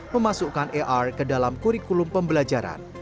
memasukkan ar ke dalam kurikulum pembelajaran